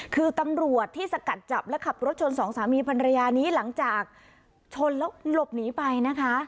คือตำรวจที่สกัดจับและขับรถชนสองสามีภรรยานี้หลังจากชนแล้วหลบหนีไปนะคะ